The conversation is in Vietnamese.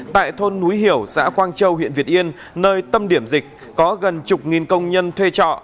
tại thôn núi hiểu xã quang châu huyện việt yên nơi tâm điểm dịch có gần chục nghìn công nhân thuê trọ